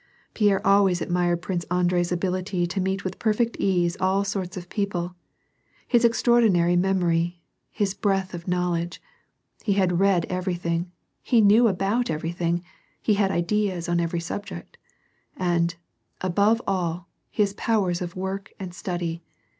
Pierre always admired Prince Andrei's ability to meet with perfect ease all sorts of people, his extraordinary memory, his breadth of knowledge, — he had read everything, he knew about everything, he had ideas on every subject, — and, above all, his powers of work and study.